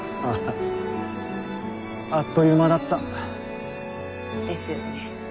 あっという間だった。ですよね。